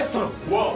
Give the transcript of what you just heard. ワオ！